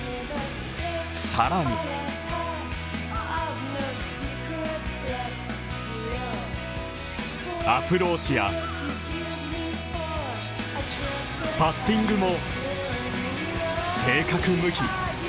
更にアプローチやパッティングも正確無比。